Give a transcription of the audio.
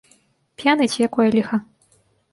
П'яны, ці якое ліха?